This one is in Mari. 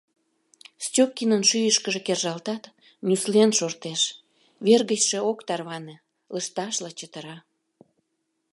Степкинын шӱйышкыжӧ кержалтат, нюслен шортеш, вер гычше ок тарване, лышташла чытыра.